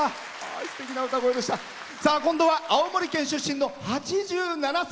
今度は青森県出身の８７歳。